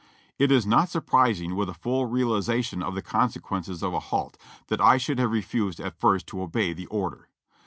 It is not surprising, with a full realization of the consequences of a halt, that I shoud have refused at first to obey the order.